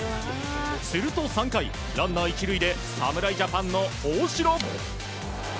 すると３回、ランナー１塁で侍ジャパンの大城。